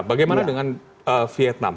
bagaimana dengan vietnam